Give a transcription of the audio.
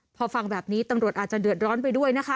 พอฟังแบบนี้ตำรวจอาจจะเดือดร้อนไปด้วยนะคะ